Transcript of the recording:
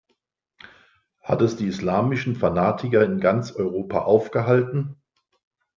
Hat es die islamischen Fanatiker in ganz Europa aufgehalten?